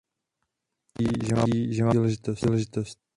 Je mi ctí, že mám tuto příležitost.